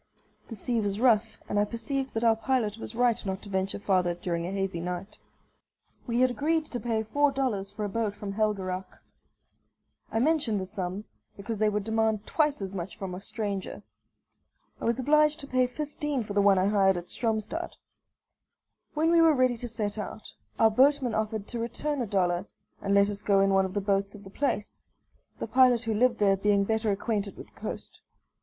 The sea was rough, and I perceived that our pilot was right not to venture farther during a hazy night. We had agreed to pay four dollars for a boat from Helgeraac. I mention the sum, because they would demand twice as much from a stranger. I was obliged to pay fifteen for the one I hired at Stromstad. When we were ready to set out, our boatman offered to return a dollar and let us go in one of the boats of the place, the pilot who lived there being better acquainted with the coast.